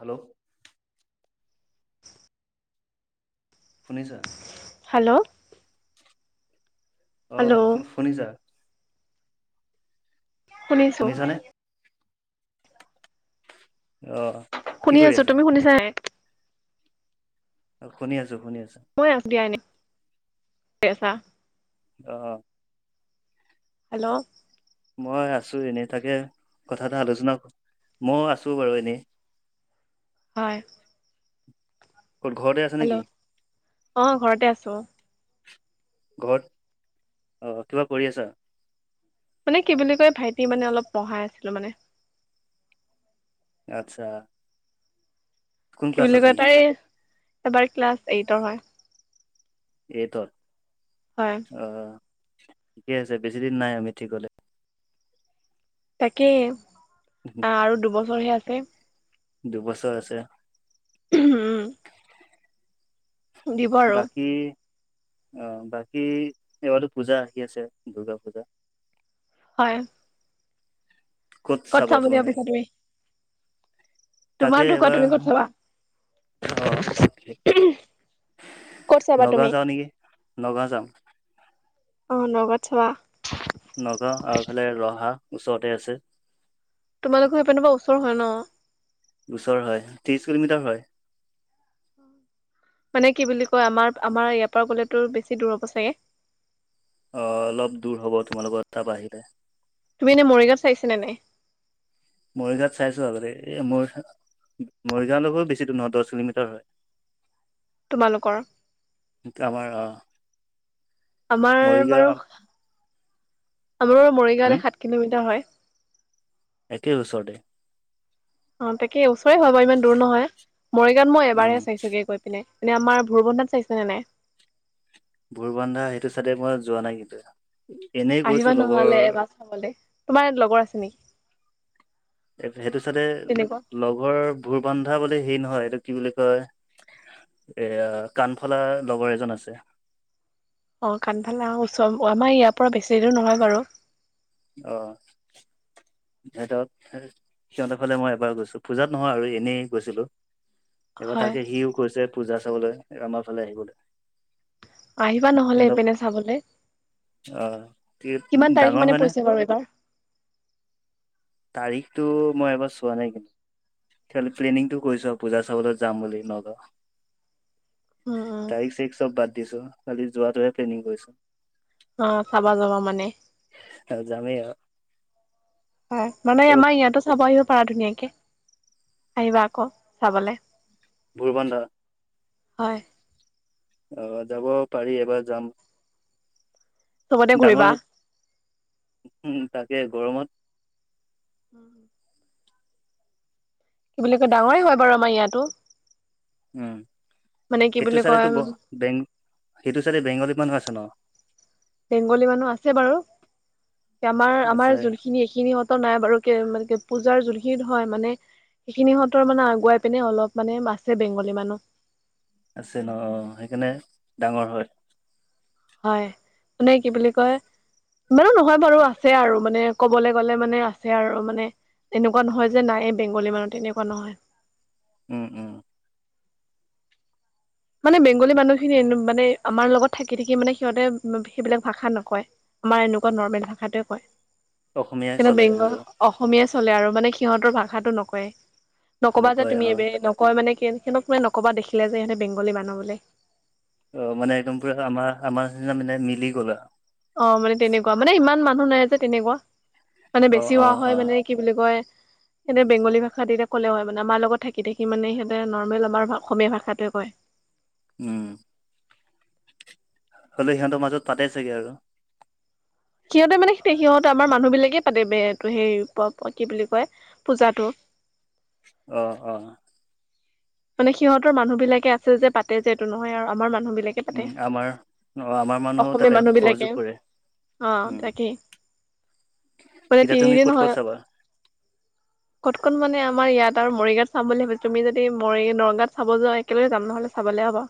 Hello? শুনিছা? Hello? অ, hello শুনিছা? শুনিছো। শুনিছানে আহ। শুনি আছো, তুমি শুনিছানে নাই? অ, শুনি আছো, শুনি আছো। মই আছোঁ দিয়া এনে অ'। হেল্ল'? মই আছো এনেই তাকে কথা এটা আলোচনা মইও আছো বাৰু এনেই। হয়। ক'ত ঘৰতে আছা? নেকি হেল্ল' অ, ঘৰতে আছো, অ'। ঘৰত অ, কিবা কৰি আছা। মানে কি বুলি কয় ভাইটি মানে অলপ পঢ়াই আছিলো মানে। আচ্ছা। কোন কি বুলি ক্লাছত সি কয় তাই এবাৰ ক্লাছ এইটৰ হয়। এইটোত হয়। অ, ঠিকে আছে বেছিদিন নাই আৰু মেট্ৰিকলে তাকেই অ, আৰু দুবছৰহে আছে। দুবছৰ আছে। উম। দিব আৰু বাকী অ, বাকী এইবাৰো পূজা আহি আছে, দূৰ্গা পূজা। হয়। কত চাবা চাম বুলি তোমালোকে? ভাবিছা তুমি তোমাৰ তাকে ঢুকুৱা তুমি ক'ত এবাৰ চাবা অ'। কত চাবা নগাঁও তুমি যাওঁ নেকি নগাঁও যাম অ, নগাওঁত চাবা? নগাঁও আৰু ফালে ৰহা ওচৰতে আছে। তোমালোকৰ সেইপিনৰ পৰা ওচৰ হয় ন। ওচৰ হয় ত্ৰিশ কিলোমিটাৰ হয়। মানে কি বুলি কয় আমাৰ, আমাৰ ইয়াৰ পৰা গ'লেতো বেছি দূৰ হ'ব চাগে। অ, অলপ দূৰ হ'ব তোমালোকৰ তাৰপৰা আহিলে। তুমি এ মৰিগাঁও চাইছিলানে নাই? মৰিগাঁৱত চাইছোঁ আগতে এই মৰি মৰিগাঁৱ বেছিদূৰ নহয় দছ কিলোমিটাৰ হয়। [inaudible] তোমালোকৰ আমাৰ অ'। আমাৰ বাৰু মৰিগাঁও আমাৰ বাৰু হম মৰিগাঁৱলে সাত কিলোমিটাৰ হয়। একে ওচৰতে। অ, তাকে ওচৰে হয় বু ইমান দূৰ নহয় মৰিগাঁৱত মই এবাৰ উম চাইছোগে গৈ পিনে। এনেই আমাৰ ভোৰবন্ধাত চাইছেনে নাই? ভোৰবন্ধাত সেইটো চাইডে মই যোৱা নাই কিন্তু এনেই আহিবা গৈছো লগৰ নহ'লে এবাৰ চাবলে, তোমাৰ ইয়াত লগৰ আছে নেকি? সেইটো চাইডে তেনেকুৱা? লগৰ ভোৰবান্ধা বুলি হেৰি নহয় এইটো কি বুলি কয় এয়া কাণফলা লগৰ এজন আছে। অ', কাণফালা ওচ আমাৰ ইয়াৰ পৰা বেছি দূৰ নহয় বাৰু। অ'। সিহঁতক সিহঁতে ফাললে মই এবাৰ গৈছো পূজাত নহয় আৰু এনেই গৈছিলো। এবাৰ হয়, তাকে সিও কৈছে পূজা চাবলৈ আমাৰ ফালে আহিবলৈ। আহিবা নহ'লে সিহঁতক ইপিনে চাবলে, আহ কিমান তাৰিখ ডাঙৰ মানে হয় নে পৰিছে বাৰু এইবাৰ। তাৰিখতটো মই এবাৰ চোৱা নাই কিন্তু। লে প্লেনিংটো কৰিছো আৰু, পূজা চাব যাম বুলি নগাওঁ। উম, উম। তাৰিখ চাৰিখ চব বাদ দিছো খালি যোৱাটোহে প্লেনিং কৰিছোঁ। অ', চাবা যাবা মানে। অ', যামেই হয়, মানে এইবাৰ আমাৰ ইয়াতো চাব আহিব পাৰা ধুনীয়াকে, আহিবা আকৌ চাবলে। ভোৰবন্ধা। হয়। অ', যাব পাৰি এইবাৰ যাম। চবতে ঘূৰিবা। ডাঙৰ [unintelligible] তাকে গৰমত হম। কি বুলি কয় ডাঙৰেই হয় বাৰু আমাৰ ইয়াতো। উম মানে কি সেইটো বুলি কয় চাইদেটো বেং-বেংগুলি সেইটো চাইডে বেংগুলী মানুহ আছে ন'। বেংগলী মানুহ আছে বাৰু আমাৰ আছে আমাৰ যোনখিনি এইখিনি নাই বাৰু পূজাৰ যোনখিনিত হয় মানে সেইখিনিহঁতৰ মানে আগুৱাই পিনে অলপ মানে আছে বেংগলী মানুহ। আছে ন', অ', সেইকাৰণে ডাঙৰ হয়। হয় মানে কি বুলি কয়, ইমানো নহয় বাৰু আছে আৰু মানে ক'বলৈ গ'লে মানে আছে আৰু মানে এনেকুৱা নহয় যে নাই এই বেংগলী মানুহ তেনেকুৱা নহয়। উম, উম। মানে বেংগলী মানুহখিনি এনে মানে আমাৰ লগত থাকি থাকি মানে সিহঁতে সেইবিলাক ভাষা নকয়। আমাৰ এনেকুৱা নৰ্মেল ভাষাটোৱে কয়। অসমীয়াই স চলে বেংগল সিহঁতৰ অসমীয়া চলে আৰু মানে সিহঁতৰ ভাষাটো নকয়ে। নকবা যে নকয় তুমি অ এই, নহয় মানে সহঁতক মানে নকবা দেখিলে যে সহঁতে বেংগলী মানুহ বুলি। অ', মানে একদম পোৰা আমাৰ, আমাৰ নিচিনা মানে মিলি গ'লা। অ', মানে তেনেকুৱা মানে, ইমান মানুহ নাই যে তেনেকুৱা মানে অ বেছি অ হোৱা হয় অ মানে কি বুলি কয় সিহঁতে বেংগলী ভাষাতি ক'লে হয় আগতে আমাৰ লগত থাকি থাকি মানে সিহঁতে নৰ্মেল আমাৰ অসমীয়া ভাষাটোৱে কয়। উম। হ'লেও সিহঁতৰ মাজত পাতে ছাগে আৰু। সিহঁতে মানে তে সিহঁত আমাৰ মানুহ বিলাকেই পাতে বে কৈ, সেই পোৱা কি বুলি কয় পূজাটো। অ', অ'। মানে সিহঁতৰ মানুহ বিলাকে আছে যে পাতে যে এইটো নহয় আৰু আমাৰ মানুহ বিলাকে পাতে। উম, আমাৰ অ' আমাৰ মানুহো অসমীয়া তাতে মানুহ বিলাকে সহযোগ কৰে, অ উম। তাকেই [unintelligible] মানে এতিয়া তুমি তিনিদিন ক'ত ক'ত হয় চাবা ক'ত ক'ত মানে আমাৰ ইয়াত আৰু মৰিগাঁৱত চাম বুলি ভাবিছিলো, তুমি যদি মই নগাঁওত চাব যোৱা একেলগে যাম নহ'লে চাবলে হ'ব।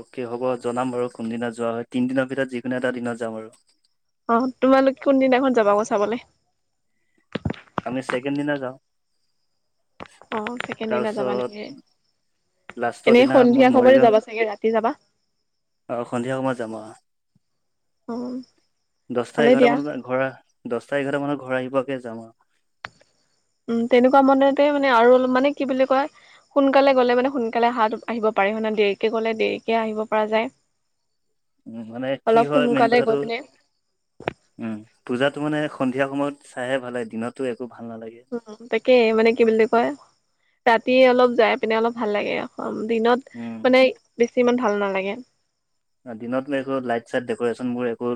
অ'কে হ'ব জনাম বাৰু কোনদিনা যোৱা হয়, তিনিদিনৰ ভিতৰত, যিকোনো এটা দিনত যাম আৰু। অ', তোমালোক কোনদিনাখন যাবা আকৌ চাবলে? আমি ছেকেণ্ড দিনা যাওঁ। অ' ছেকেণ্ড দিনা যাবা তাৰপিছত নেকি। লাষ্টৰ এনেই দিনা সন্ধিয়া সময়তে যাবা চাগে, ৰাতি যাবা। অ' সন্ধিয়া সময়ত যাম অ'। অ দহটা ভালে এঘাৰটা দিয়া মানত ঘৰ, দহটা এঘাৰটা মানত ঘৰ আহি পোৱাকে যাম আৰু। উম, তেনেকুৱা মনতে মানে আৰু অলপ মানে কি বুলি কয় সোনকালে গ'লে মানে সোনকালে হাত আহিব পাৰি মানে দেৰিকে গ'লে দেৰিকে আহিব পৰা যায়। উম, মানে কি অলপ হয় মেইন সোনকালে কথাটো গৈ পিনে উম, পূজাতো মানে সন্ধিয়া সময়ত চাইহে ভাল লাগে দিনতটো একো ভাল নালাগে। উম, তাকে মানে কি বুলি কয়, ৰাতি অলপ যাই পিনে অলপ ভাল লাগে দিনত উম। মানে বেছি ইমান ভাল নালাগে। দিনত একো লাইট চাইট ডেক'ৰেশচন বোৰ একো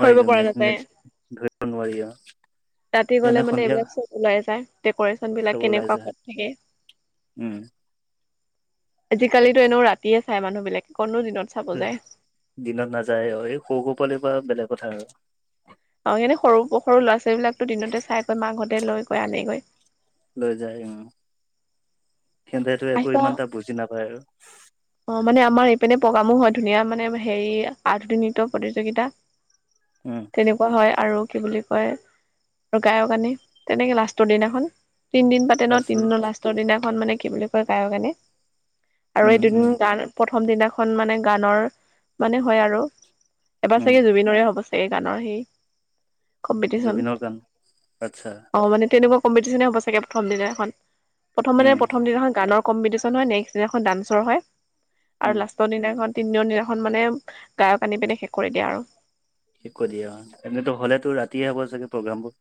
ধৰিব পৰা নাযায় নেট-নেট-নে নোৱাৰিয়া। ৰাতি গ'লে মানে এইবিলাক চব ওলাই যায়, ডেক'ৰেশচন চব বিলাক ওলাই কেনেকুৱা যায় ক'ত থাকে। উম। আজিকালিতো এনেও ৰাতিয়ে চাই মানুহবিলাকে ক'তনো দিনত চাব যায় [unintelligible] দিনত নাযায় আৰু এই সৰু সৰু পোৱালিসোপা বেলেগ কথা আৰু। অ' এনে সৰু সৰু ল'ৰা-ছোৱালীবিলাকতো দিনতে চাই গৈ মাকহঁতে লৈ গৈ আনেগৈ। লৈ যায় অ' খেনতেটো একো আহিবা ইমান এটা বুজি নাপায় আৰু। অ' মানে আমাৰ এইপিনে প্ৰগ্ৰামো হয় ধুনীয়া মানে হেৰি আধুনিক নৃত্য প্ৰতিযোগিতা। উম। [unintelligible] হয় আৰু কি বুলি কয়, আৰু গায়ক আনে, তেনেকে লাষ্টৰ দিনাখন তিনদিন পা [unintelligible] তাৰপিছত তিনিদিনৰ লাষ্টৰ দিনাখন মানে কি বুলি কয় গায়ক আনে। আৰু এই উম দুদিন উম গান প্ৰথম দিনাখন মানে গানৰ মানে হয় আৰু, এবাৰ উম চাগে জুবিনৰে হ'ব চা এ, গানৰ সেই কম্পিটিচন। জুবিনৰ গান আচ্ছা অ' মানে তেনেকুৱা কম্পিটিচনে হ'ব চাগে প্ৰথনা দিনা খন, প্ৰথম মানে উম প্ৰথম দিনাখন গানৰ কম্পিডিচন হয় নেক্সট দিনাখন ডান্সৰ হয়। আৰু উম লাষ্টৰ দিনাখন তিনদিনৰ দিনাখন মানে গায়ক আনি পিনে শেষ কৰি দিয়ে আৰু। শেষ কৰি দিয়ে অ' এনেটো হ'লেতো ৰাতিয়ে হ'ব চাগে প্ৰগ্ৰেমবোৰ।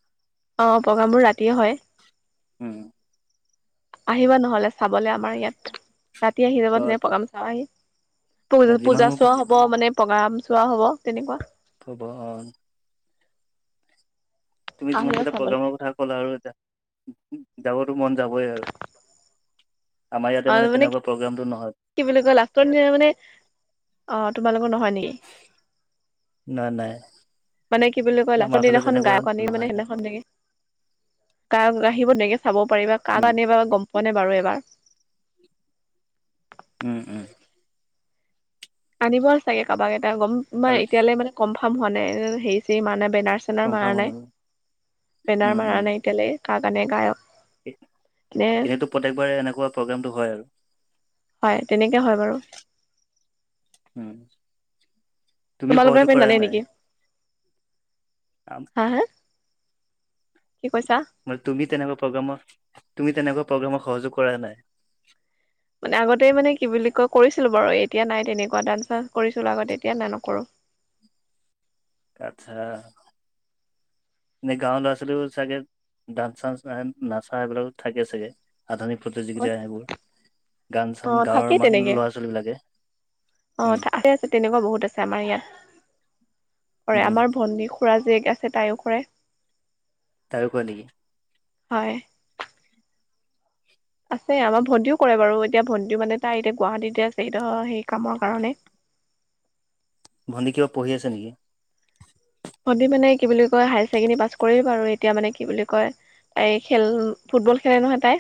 অ' প্ৰগ্ৰামবোৰ ৰাতিয়ে হয়। উম আহিবা নহ'লে। চাবলে আমাৰ ইয়াত, ৰাতি আহি যাবা অ ধুনীয়া প্ৰগ্ৰাম চাবাহি, যিমান পূ-পূজা চোৱা হ [unintelligible] মানে প্ৰগ্ৰাম চোৱা হ'ব তেনেকুৱা। [unintelligible] অ'। তুমি যিমান আহিবা কেইটা চাবলে। প্ৰগ্ৰামৰ কথা ক'লা আৰু [inaudible] যাবতো মন যাবই আৰু, আমাৰ ইয়াতে মানে তেনেকুৱা প্ৰগ্ৰেমটো নহয়। কি বুলি কয় লাষ্টৰ দিনা মানে অ' তোমালোকৰ নহয় নেকি। না নাই। মানে কি বুলি কয় আমাৰ লাষ্টৰ ফালে দিনাখন তেনেকুৱা গায়ক আনে নহয় মানে সেদিনাখনে [unintelligible] চাব পাৰিবা কাক উম আনিবো গম পোৱা নাই বাৰু এবাৰ। উম, উম। আনিব চাগে কাৰোবাক এটা গম ম আৰু এতিয়ালৈ মানে কনফাৰ্ম হোৱা নাই হেৰি চেৰি মাৰা নাই বেনাৰ চেনাৰ মাৰা কনফাৰ্ম হৈ নাই, যাব। বেনাৰ উম মাৰা উম নাই এতিয়ালে কাক আনে গায়ক। নে এনেতো প্ৰত্যেকবাৰে এনেকুৱা প্ৰগ্ৰেমটো হয় আৰু। হয় তেনেকৈ হয় বাৰু। উম। তুমি তোমালোকৰ সহযোগ সিপিনে কৰা নানে নাই নেকি? আম হা হা, কি কৈছা? মানে তুমি তেনেকুৱা প্ৰগ্ৰেমাৰ, তুমি তেনেকুৱা প্ৰগ্ৰেমক সহযোগ কৰা নাই। মানে আগতে মানে কি বুলি কয় কৰিছিলোঁ বাৰু এতিয়া নাই তেনেকুৱা ডান্স [inaudible] কৰিছিলোঁ আগতে এতিয়া নাই নকৰোঁ। আচ্ছা, নে গাঁৱৰ লৰা ছোৱালী বোৰ ছাগে ডান্স চানস নাচা সেইবিলাক থাকে চাগে আধুনিক প্ৰতিযোগিতা সেইবোৰ গান অ চান গাঁৱৰ থাকেই মানুহ তেনেকে ল'ৰা ছোৱালী বিলাগে অ উম, আছে আছে তেনেকুৱা বহুত আছে আমাৰ ইয়াত কৰে, উম আমাৰ ভণ্টী খুৰাৰ জীয়েক আছে তাইও কৰে তাইও কৰে নেকি? হয়, আছে আমাৰ ভণ্টিও কৰে বাৰু এতিয়া ভণ্টিও মানে তাই এতিয়া গুৱাহাটীতে আছে সি ত' সেই কামৰ কাৰণে। ভন্টি কিবা পঢ়ি আছে নেকি? ভন্টি মানে কি বুলি কয় হায়াৰ ছেকেণ্ডেৰী পাছ কৰি ব আৰু এতিয়া মানে কি বুলি কয় এই খেল ফুটবল খেলে নহয় তাই।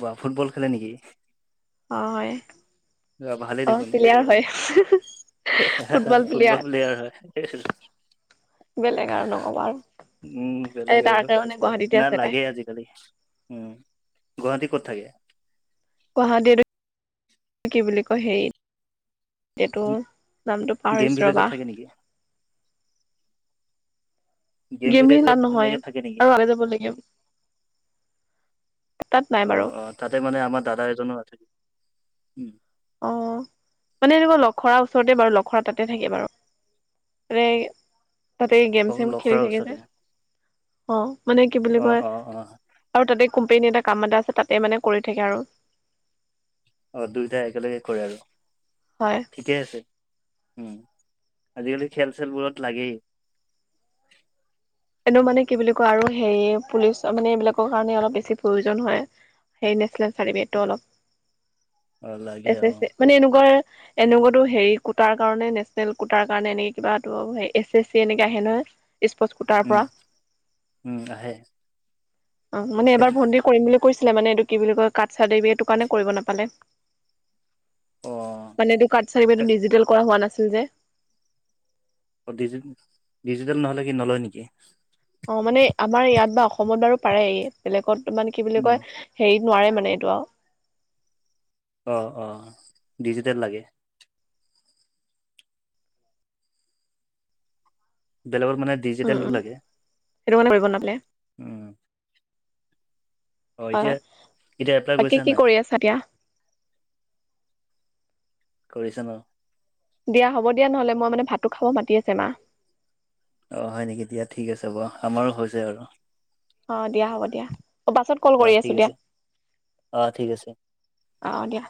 বা, ফুটবল খেলে নেকি? অ', হয়। অ', ভালেই দেখোন প্লেয়াৰ হয় ফুটবল প্লেয়াৰ হয়। [inaudible] বেলেগ আৰু নকবা আৰু উম, এই বেলেগ তাৰ আৰু কাৰণে গুৱাহাটীতে না আছে তাই লাগে আজিকালি। উম, গুৱাহাটী ক'ত থাকে? গুৱাহাটীতো কি বুলি কয় হেৰিত এইটো নামটো গেম পাহৰিছো ভিলেজত ৰবা। থাকে নেকি? গেম খেলা ভিলেজত নহয় এনেকে থাকে নেকি? আৰু আগাই যাব লাগে তাত নাই বাৰু অ', অ', তাতে মানে আমাৰ দাদা এজনো আছে উম, অ', মানে তোমাৰ লখৰা ওচৰতে বাৰু লখৰা তাতে থাকে বাৰু। এ তাতে গেম অ চেম খেলি লখৰাৰ থাকি যে ওচৰতে অ', মানে কি বুলি অ কয় অ অ আৰু তাতে কোম্পানী এটা কাম এটা আছে তাতে মানে কৰি থাকে আৰু। অ', দুইটাই একেলগে কৰে আৰু। হয়, ঠিকে আছে উম, আজিকালি খেল চেলবোৰত লাগেই এনেও মানে কি বুলি কয় আৰু হে পুলিচ মানে এইবিলাকৰ কাৰণে অলপ বেছি প্ৰয়োজন হয়, সেই নেশ্যনেল চাৰ্টিফিকেটবোৰ অ অলপ লাগে এছ অ এছ এ। মানে এনেকুৱা এনেকুৱাতো হেৰি কোটাৰ কাৰণে নেচনেল কোটাৰ কাৰণে এনেকে কিবাতো এছ এছ চি এনেকে আহে নহয়। স্প উম, উম, আহে। অ', মানে এবাৰ সেইটো ভণ্টিৰ কৰিম বুলি কৈছিলে মানে এইটো কি বুলি কয় কাষ্ট চাৰ্টিফিকেটতো কাৰণে কৰিব নাপালে। অ', মানে এইটো কাষ্ট চাৰ্টিফিকেটটো ডিজিটেল কৰা হোৱা নাছিল যে ডিজিটেল নহলে কি নলৈ নেকি? অ', মানে আমাৰ ইয়াত বা অসমত বাৰু পাৰে বেলেগত মানে কি বুলি উম কয় হেৰিত নোৱাৰে মানে এইটো আৰু অ', অ', ডিজিটেল লাগে বেলেগৰ মানে উম ডিজিটেলটো উম লাগে সেইটো কাৰণে কৰিব নাপালে উম, অ', হয়, এতিয়া হয়, এতিয়া এপ্লাই বাকী কৰিছা কি নাই কৰি আছা এতিয়া? কৰিছা ন ' দিয়া হ'ব দিয়া নহলে মানে ভাতটো খাব মাতি আছে মা। অ', হয় নেকি দিয়া ঠিক আছে বাৰু আমাৰো হৈছে আৰু অ', দিয়া হ'ব দিয়া পাছত কল কৰি অ', আছো ঠিক দিয়া। আছে অ', ঠিক আছে। অ', অ', দিয়া।